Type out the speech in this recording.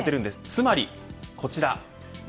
つまり、こちら。